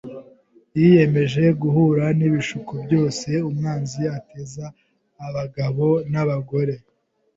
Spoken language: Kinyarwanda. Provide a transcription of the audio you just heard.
Yiyemeje guhura n’ibishuko byose umwanzi ateza abagabo n’abagore ;